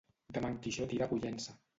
Demà en Quixot irà a Pollença.